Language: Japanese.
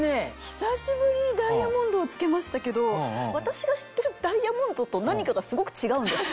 久しぶりにダイヤモンドを着けましたけど私が知ってるダイヤモンドと何かがすごく違うんです。